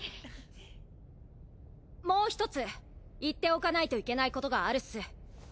もう１つ言っておかないといけないことがあるっす。